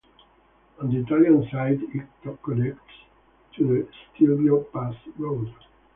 On the Italian side, it connects to the Stelvio Pass road.